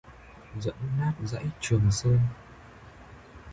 Dẫm nát dãy Trường sơn